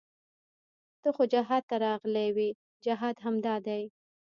ته خو جهاد ته راغلى وې جهاد همدا دى.